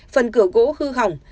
phần cửa gỗ hư hỏng